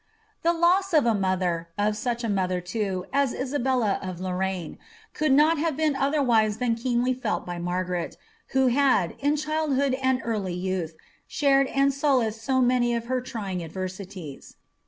The lo99 of a mother— of such a mother, too, as Isabella of Lor imine— could not have been otherwise than keenly felt by Margaret, who had, in childhood and early youth, shared and solaced so many of her trying adrersities.